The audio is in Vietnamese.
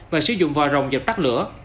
và sử dụng vòi rồng dập tắt lửa